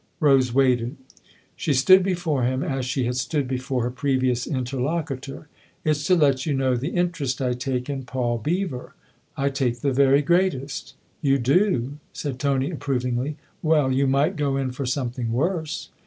Rose waited ; she stood before him as she had stood before her previous interlocutor. " It's to let you know the interest I take in Paul Beever. I take the very greatest." " You do ?" said Tony approvingly. " Well, you might go in for something worse